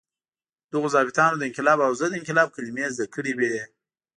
دغو ظابیطانو د انقلاب او ضد انقلاب کلمې زده کړې وې.